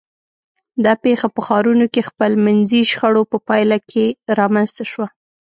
دا پېښه په ښارونو کې خپلمنځي شخړو په پایله رامنځته شوه.